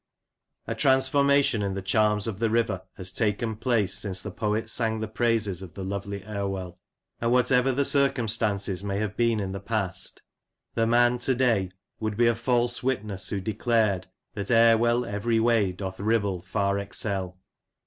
A transformation in the charms of the river has taken place since the poet sang the praises of the "lovely Erwell"; and whatever the circumstances may have been in the past, the man, to day, would be a false witness who declared "That Erwell every way doth Ribble far excel."